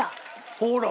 ほら！